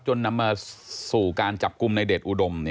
นำมาสู่การจับกลุ่มในเดชอุดม